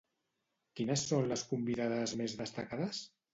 Quines són les convidades més destacades?